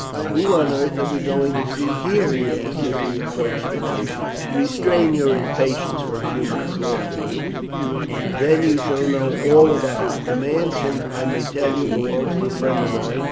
"Who on earth are we going to see here?" he asked, as they approached the mansion. "Restrain your impatience for a few minutes longer, Julian, then you shall know all about it. This mansion, I may tell you, belongs to a friend of mine.